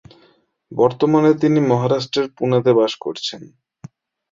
বর্তমানে তিনি মহারাষ্ট্রের পুনেতে বসবাস করছেন।